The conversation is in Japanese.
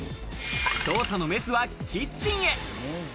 捜査のメスはキッチンへ。